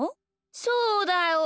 そうだよ！